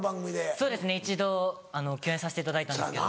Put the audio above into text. そうですね一度共演させていただいたんですけど。